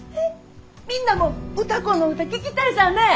みんなも歌子の唄聴きたいさぁねぇ。